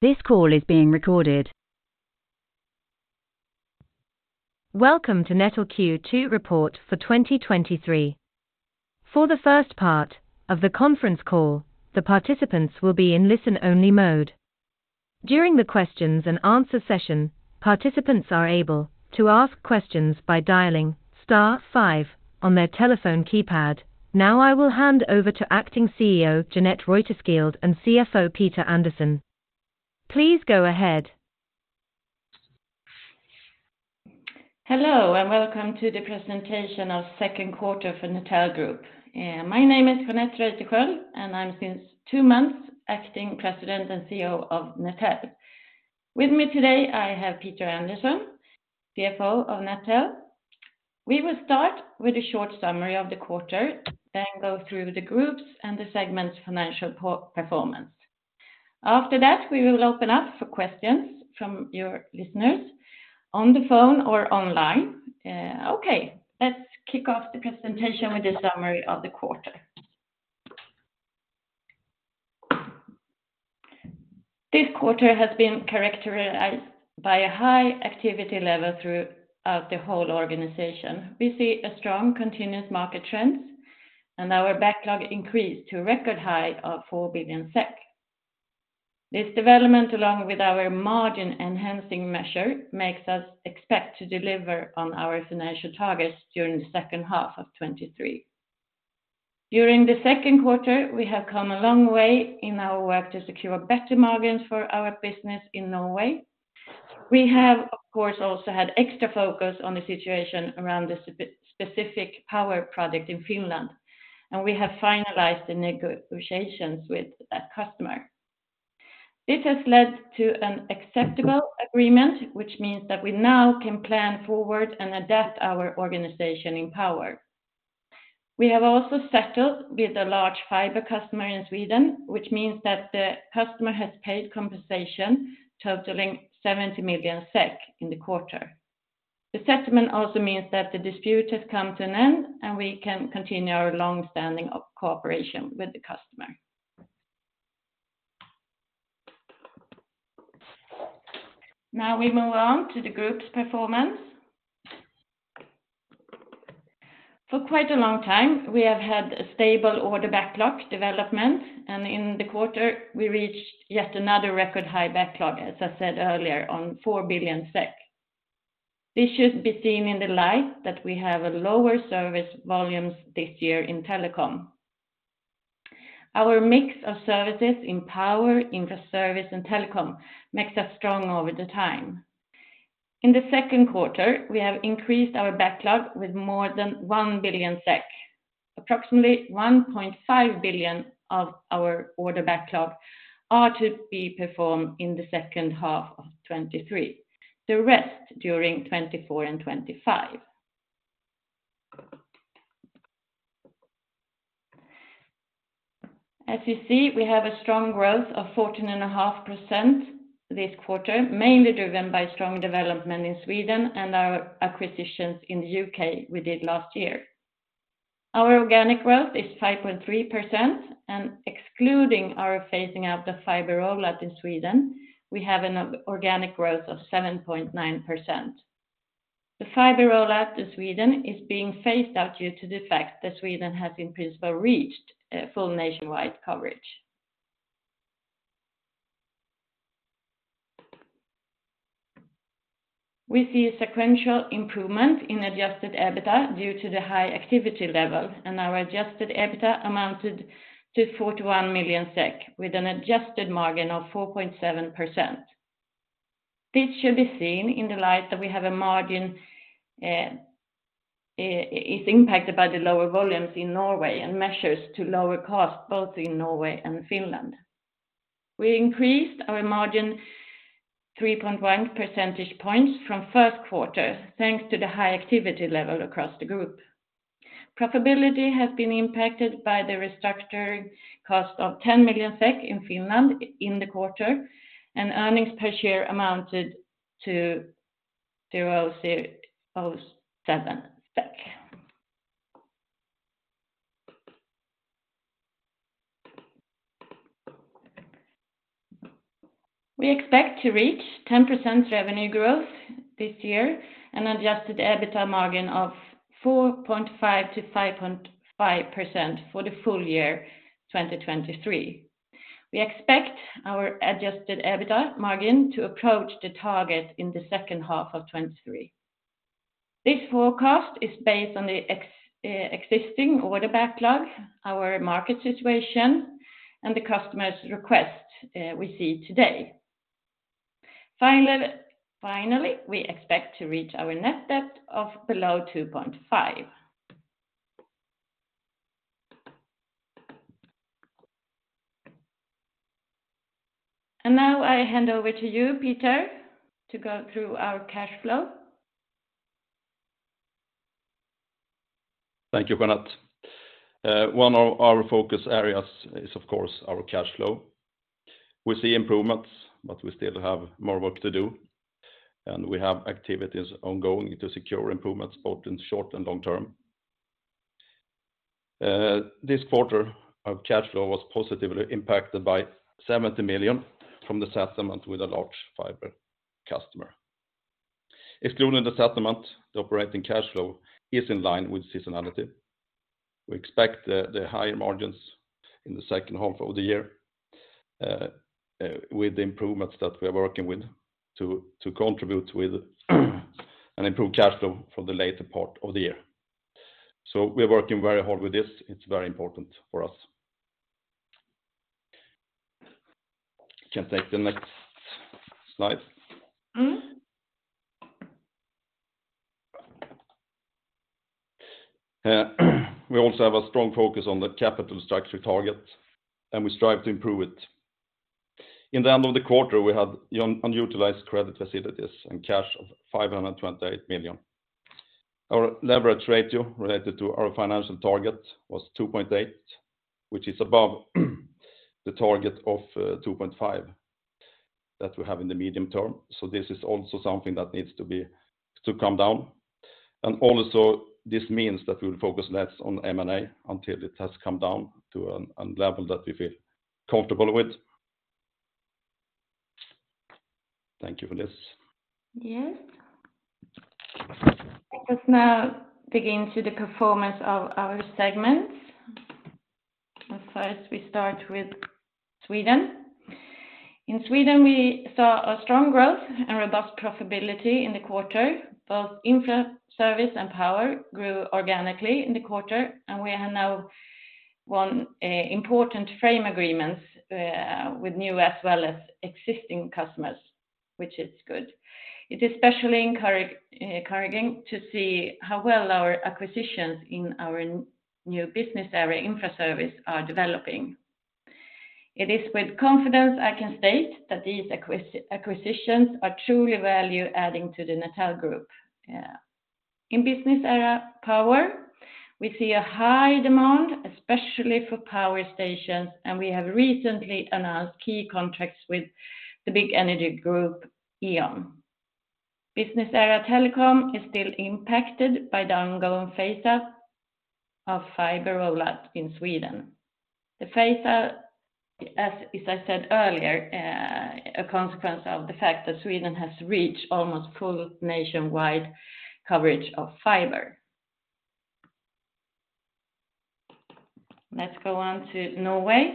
This call is being recorded. Welcome to Netel Q2 report for 2023. For the first part of the conference call, the participants will be in listen-only mode. During the questions and answer session, participants are able to ask questions by dialing star five on their telephone keypad. Now I will hand over to Acting CEO, Jeanette Reuterskiöld, and CFO, Peter Andersson. Please go ahead. Hello, welcome to the presentation of second quarter for Netel Group. My name is Jeanette Reuterskiöld, and I'm since two months, acting president and CEO of Netel. With me today, I have Peter Andersson, CFO of Netel. We will start with a short summary of the quarter, then go through the groups and the segment's financial performance. After that, we will open up for questions from your listeners on the phone or online. Okay, let's kick off the presentation with a summary of the quarter. This quarter has been characterized by a high activity level throughout the whole organization. We see a strong continuous market trends, and our backlog increased to a record high of 4 billion SEK. This development, along with our margin-enhancing measure, makes us expect to deliver on our financial targets during second half 2023. During the second quarter, we have come a long way in our work to secure better margins for our business in Norway. We have, of course, also had extra focus on the situation around the specific power project in Finland. We have finalized the negotiations with that customer. This has led to an acceptable agreement, which means that we now can plan forward and adapt our organization in power. We have also settled with a large fiber customer in Sweden, which means that the customer has paid compensation totaling 70 million SEK in the quarter. The settlement also means that the dispute has come to an end. We can continue our long-standing cooperation with the customer. Now, we move on to the group's performance. For quite a long time, we have had a stable order backlog development. In the quarter, we reached yet another record high backlog, as I said earlier, on 4 billion SEK. This should be seen in the light that we have a lower service volumes this year in Telecom. Our mix of services in power, Infraservices, and telecom makes us strong over the time. In the second quarter, we have increased our backlog with more than 1 billion SEK. Approximately 1.5 billion of our order backlog are to be performed in the second half of 2023, the rest during 2024 and 2025. You see, we have a strong growth of 14.5% this quarter, mainly driven by strong development in Sweden and our acquisitions in the U.K. we did last year. Our organic growth is 5.3%. Excluding our phasing out the fiber rollout in Sweden, we have an organic growth of 7.9%. The fiber rollout in Sweden is being phased out due to the fact that Sweden has in principle, reached a full nationwide coverage. We see a sequential improvement in Adjusted EBITA due to the high activity levels. Our Adjusted EBITA amounted to 41 million SEK, with an adjusted margin of 4.7%. This should be seen in the light that we have a margin is impacted by the lower volumes in Norway and measures to lower costs, both in Norway and Finland. We increased our margin 3.1 percentage points from first quarter, thanks to the high activity level across the group. Profitability has been impacted by the restructuring cost of 10 million SEK in Finland in the quarter. Earnings per share amounted to SEK 0.007. We expect to reach 10% revenue growth this year and Adjusted EBITA margin of 4.5%-5.5% for the full year 2023. We expect our Adjusted EBITA margin to approach the target in the second half of 2023. This forecast is based on the existing order backlog, our market situation, and the customer's request we see today. Finally, we expect to reach our net debt of below 2.5. Now I hand over to you, Peter, to go through our cash flow. Thank you, Jeanette. One of our focus areas is, of course, our cash flow. We see improvements, but we still have more work to do, and we have activities ongoing to secure improvements, both in short and long term. This quarter of cash flow was positively impacted by 70 million from the settlement with a large fiber customer. Excluding the settlement, the operating cash flow is in line with seasonality. We expect the higher margins in the second half of the year with the improvements that we are working with to contribute with an improved cash flow for the later part of the year. We are working very hard with this. It's very important for us. You can take the next slide. Mm-hmm. We also have a strong focus on the capital structure target, and we strive to improve it. In the end of the quarter, we had unutilized credit facilities and cash of 528 million. Our leverage ratio related to our financial target was 2.8, which is above the target of 2.5 that we have in the medium term. This is also something that needs to come down. This means that we will focus less on M&A until it has come down to a level that we feel comfortable with. Thank you for this. Yes. Let us now begin to the performance of our segments. First, we start with Sweden. In Sweden, we saw a strong growth and robust profitability in the quarter. Both Infraservices and power grew organically in the quarter, and we have now won important frame agreements with new as well as existing customers, which is good. It is especially encouraging to see how well our acquisitions in our new business area, Infraservices, are developing. It is with confidence I can state that these acquisitions are truly value adding to the Netel Group. Yeah. In business area, power, we see a high demand, especially for power stations, and we have recently announced key contracts with the big energy group, E.ON. Business area telecom is still impacted by the ongoing phase out of fiber rollout in Sweden. The phase out, as I said earlier, a consequence of the fact that Sweden has reached almost full nationwide coverage of fiber. Let's go on to Norway.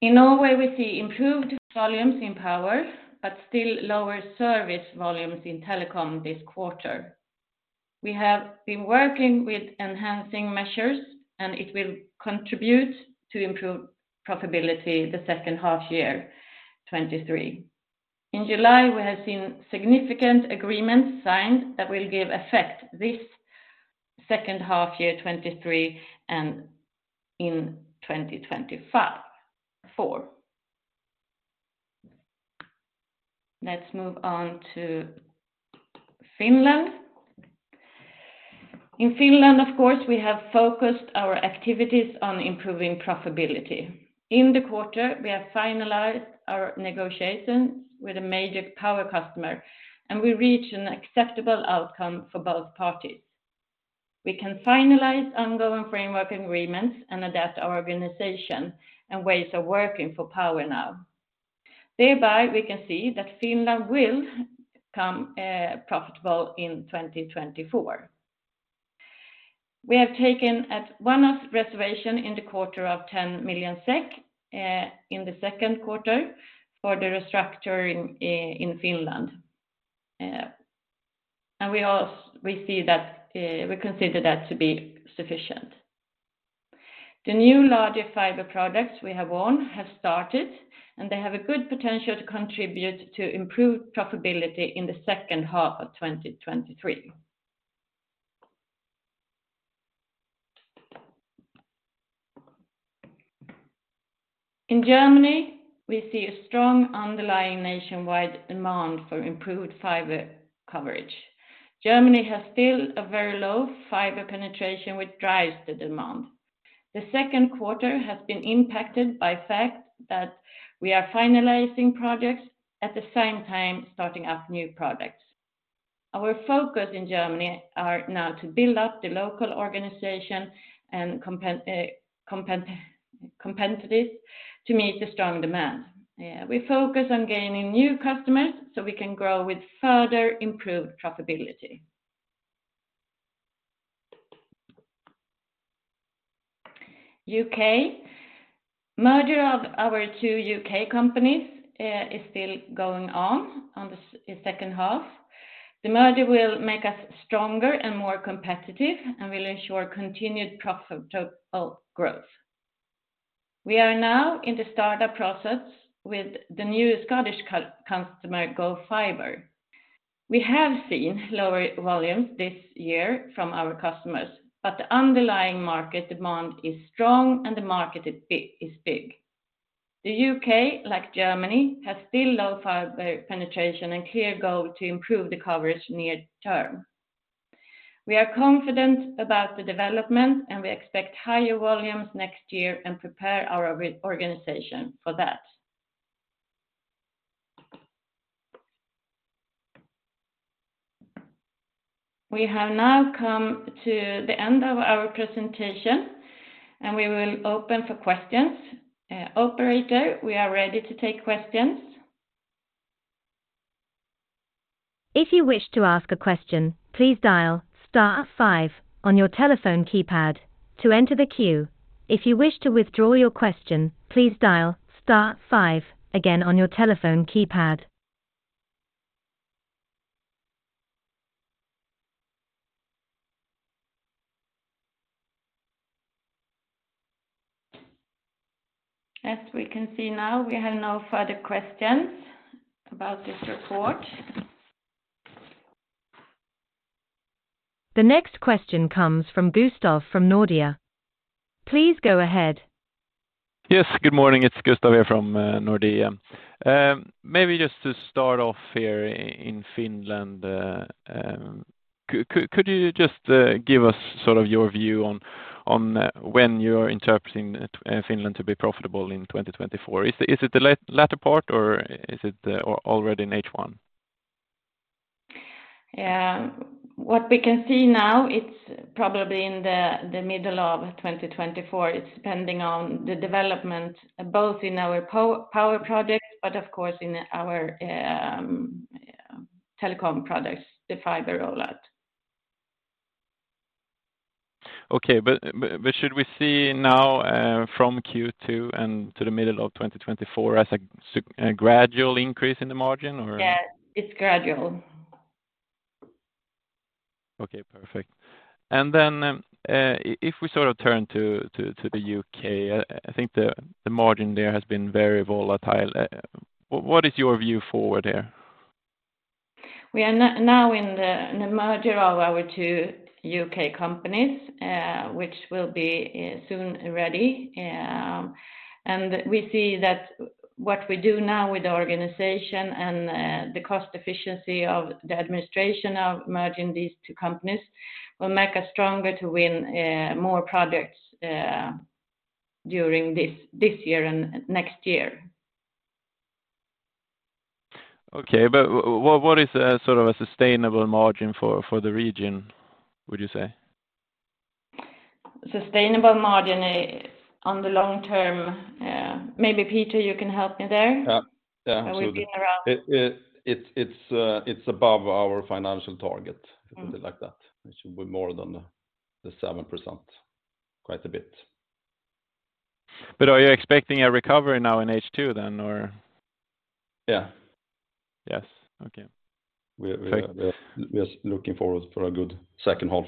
In Norway, we see improved volumes in power, but still lower service volumes in telecom this quarter. We have been working with enhancing measures, and it will contribute to improve profitability the second half year, 2023. In July, we have seen significant agreements signed that will give effect this second half year, 2023, and in 2024. Let's move on to Finland. In Finland, of course, we have focused our activities on improving profitability. In the quarter, we have finalized our negotiations with a major power customer, and we reach an acceptable outcome for both parties. We can finalize ongoing framework agreements and adapt our organization and ways of working for power now. We can see that Finland will come profitable in 2024. We have taken a one-off reservation in the quarter of 10 million SEK in the second quarter for the restructuring in Finland. We see that we consider that to be sufficient. The new larger fiber products we have won have started, and they have a good potential to contribute to improved profitability in the second half of 2023. In Germany, we see a strong underlying nationwide demand for improved fiber coverage. Germany has still a very low fiber penetration, which drives the demand. The second quarter has been impacted by fact that we are finalizing projects, at the same time, starting up new projects. Our focus in Germany are now to build up the local organization and competitive to meet the strong demand. We focus on gaining new customers, we can grow with further improved profitability. U.K. Merger of our two U.K. companies is still going on in second half. The merger will make us stronger and more competitive, will ensure continued profitable growth. We are now in the startup process with the new Scottish customer, GoFibre. We have seen lower volumes this year from our customers, the underlying market demand is strong and the market is big. The U.K., like Germany, has still low fiber penetration and clear goal to improve the coverage near term. We are confident about the development, we expect higher volumes next year and prepare our organization for that. We have now come to the end of our presentation, we will open for questions. Operator, we are ready to take questions. If you wish to ask a question, please dial star five on your telephone keypad to enter the queue. If you wish to withdraw your question, please dial star five again on your telephone keypad. As we can see now, we have no further questions about this report. The next question comes from Gustav from Nordea. Please go ahead. Good morning. It's Gustav here from Nordea. Maybe just to start off here in Finland, could you just give us sort of your view on when you're interpreting Finland to be profitable in 2024? Is it the latter part, or is it already in H1? What we can see now, it's probably in the middle of 2024. It's depending on the development, both in our power projects, but of course, in our telecom products, the fiber rollout. Okay, should we see now, from Q2 and to the middle of 2024 as a gradual increase in the margin or? Yes, it's gradual. Okay, perfect. Then, if we sort of turn to the U.K., I think the margin there has been very volatile. What is your view forward here? We are now in the merger of our two U.K. companies, which will be soon ready. We see that what we do now with the organization and the cost efficiency of the administration of merging these two companies will make us stronger to win more projects during this year and next year. Okay, what is sort of a sustainable margin for the region, would you say? Sustainable margin on the long term, maybe Peter, you can help me there? Yeah, yeah. You've been around. It's above our financial target. Mm. Put it like that. It should be more than the 7%, quite a bit. Are you expecting a recovery now in H2 then, or? Yeah. Yes. Okay. We- Perfect.... we are looking forward for a good second half.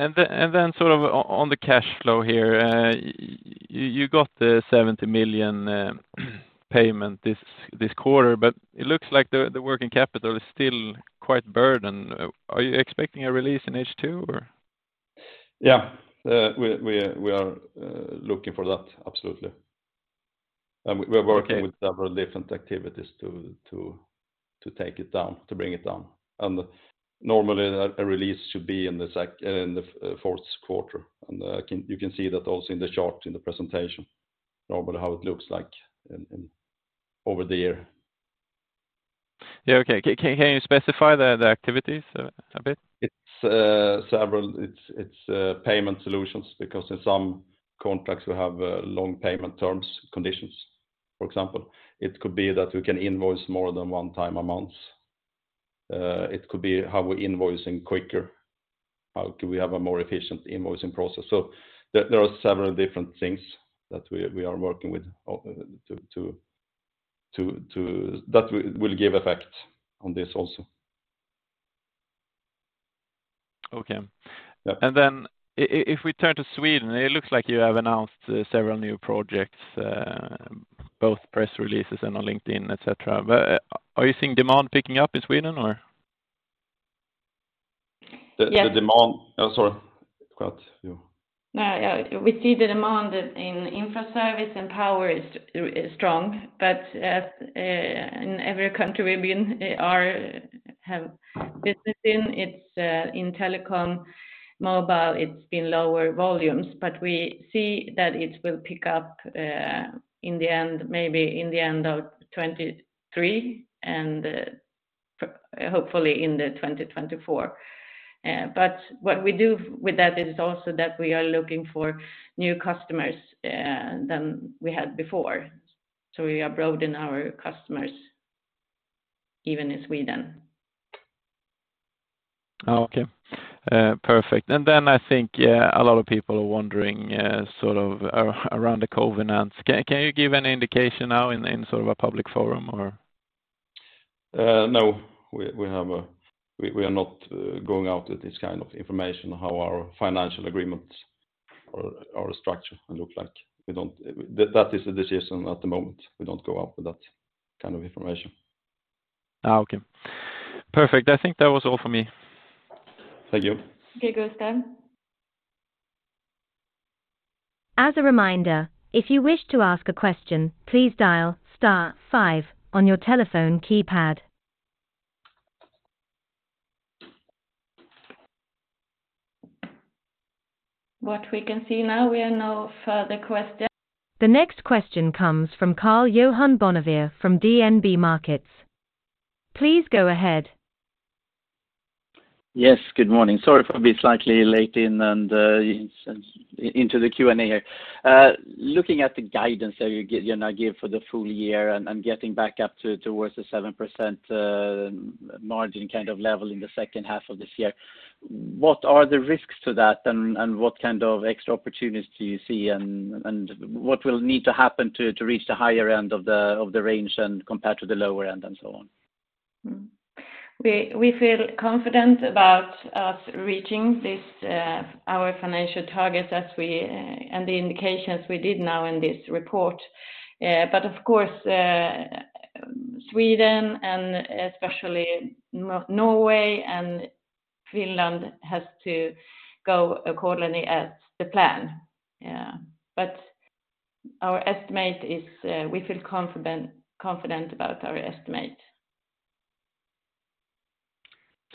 Mm-hmm. Sort of on the cash flow here, you got the 70 million payment this quarter, but it looks like the working capital is still quite burdened. Are you expecting a release in H2, or? Yeah. We are looking for that, absolutely. Okay. We're working with several different activities to take it down, to bring it down. Normally, a release should be in the fourth quarter. You can see that also in the chart, in the presentation, normally how it looks like in over the year. Yeah, okay. Can you specify the activities a bit? It's payment solutions, because in some contracts, we have, long payment terms, conditions, for example. It could be that we can invoice more than one time amounts. It could be how we're invoicing quicker, how can we have a more efficient invoicing process? There are several different things that we are working with. That will give effect on this also. Okay. Yeah. If we turn to Sweden, it looks like you have announced several new projects, both press releases and on LinkedIn, et cetera. Are you seeing demand picking up in Sweden, or? Yes. The demand. Sorry. Go ahead, you. We see the demand in Infraservices and power is strong, but as in every country we've been, are, have business in, it's in telecom, mobile, it's been lower volumes, but we see that it will pick up in the end, maybe in the end of 2023 and hopefully in 2024. What we do with that is also that we are looking for new customers than we had before. We are broadening our customers even in Sweden. Okay. perfect. Then I think, yeah, a lot of people are wondering, sort of around the covenants. Can you give any indication now in sort of a public forum or? No. We are not going out with this kind of information, how our financial agreements are structured and look like. We don't. That is the decision at the moment. We don't go out with that kind of information. Oh, okay. Perfect. I think that was all for me. Thank you. Okay, Gustav. As a reminder, if you wish to ask a question, please dial star five on your telephone keypad. What we can see now, we have no further question. The next question comes from Karl-Johan Bonnevier from DNB Markets. Please go ahead. Yes, good morning. Sorry for being slightly late in and, into the Q&A here. Looking at the guidance that you now give for the full year and getting back up to, towards the 7% margin kind of level in the second half of this year, what are the risks to that, and what kind of extra opportunities do you see, and what will need to happen to reach the higher end of the range and compared to the lower end, and so on? We feel confident about us reaching this, our financial targets as we, and the indications we did now in this report. Of course, Sweden and especially Norway and Finland has to go accordingly as the plan. Our estimate is, we feel confident about our estimate.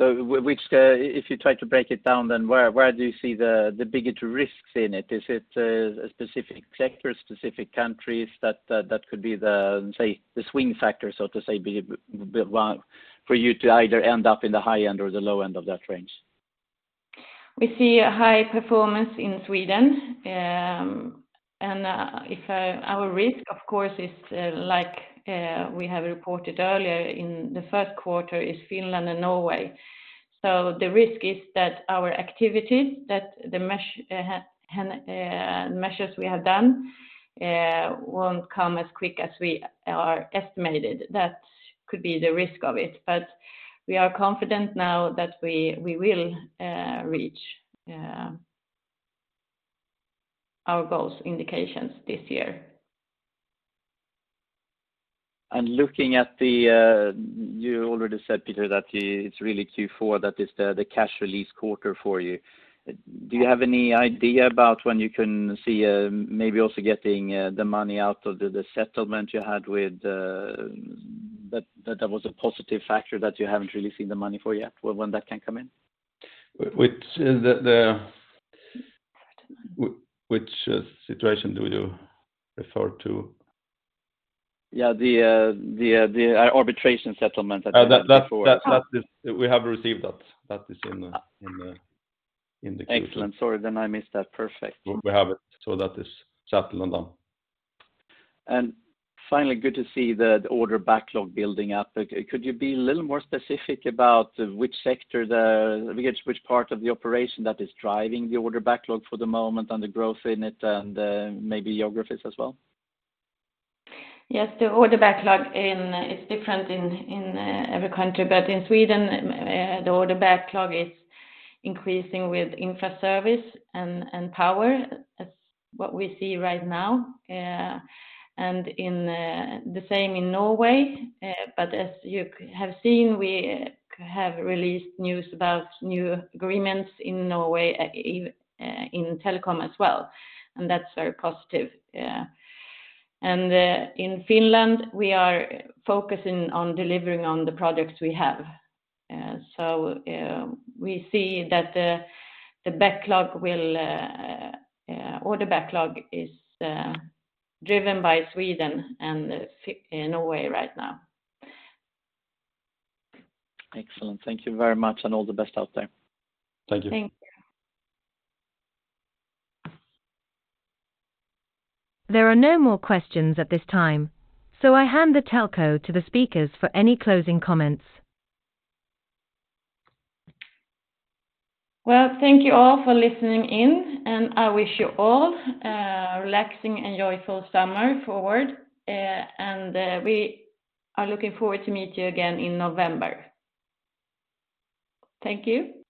Which, if you try to break it down, then where do you see the biggest risks in it? Is it a specific sector, specific countries that could be the, say, the swing factor, so to say, be one for you to either end up in the high end or the low end of that range? We see a high performance in Sweden, and if our risk, of course, is like we have reported earlier in the first quarter is Finland and Norway. The risk is that our activities, that the mesh measures we have done, won't come as quick as we are estimated. That could be the risk of it, but we are confident now that we will reach our goals indications this year. Looking at the, you already said, Peter, that it's really Q4 that is the cash release quarter for you. Do you have any idea about when you can see, maybe also getting the money out of the settlement you had with that was a positive factor that you haven't really seen the money for yet, when that can come in? Which is the which situation do you refer to? Yeah, the arbitration settlement that you had before. We have received that. That is in the conclusion. Excellent. Sorry, I missed that. Perfect. We have it, so that is settled on down. Finally, good to see the order backlog building up. Could you be a little more specific about which sector, which part of the operation that is driving the order backlog for the moment and the growth in it, and maybe geographies as well? Yes, the order backlog in, it's different in, every country, but in Sweden, the order backlog is increasing with Infraservices and power. That's what we see right now, and in the same in Norway. As you have seen, we have released news about new agreements in Norway, in telecom as well, and that's very positive, yeah. In Finland, we are focusing on delivering on the products we have. We see that the order backlog is driven by Sweden and Norway right now. Excellent. Thank you very much, and all the best out there. Thank you. Thank you. There are no more questions at this time, so I hand the telco to the speakers for any closing comments. Well, thank you all for listening in, and I wish you all a relaxing and joyful summer forward, and we are looking forward to meet you again in November. Thank you.